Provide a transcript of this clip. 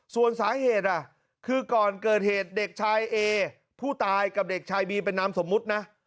ส่วนสาเหตุคือก่อนเกิดเหตุเด็กชายเอผู้ตายกับเด็กชายบีเป็นนามสมมุตินะ